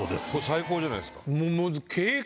最高じゃないですか。